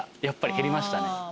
やっぱり減りましたね。